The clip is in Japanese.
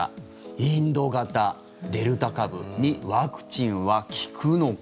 インド型、デルタ株にワクチンは効くのか。